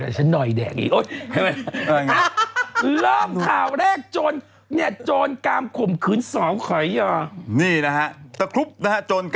เสียงศธอน